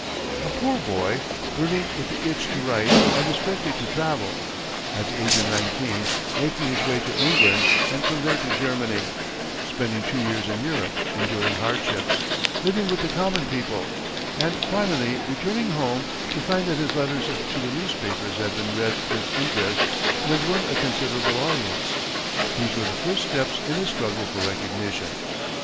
A poor boy, burning with the itch to write and especially to travel; at the age of nineteen making his way to England, and from there to Germany; spending two years in Europe, enduring hardships, living with the common people; and finally returning home to find that his letters to the newspapers had been read with interest and had won a considerable audience these were the first steps in his struggle for recognition.